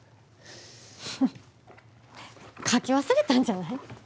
ふっ書き忘れたんじゃない？